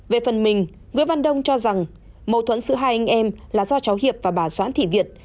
về phần mình người văn đông cho rằng mâu thuẫn sự hai anh em là do cháu hiệp và bà soãn thị việt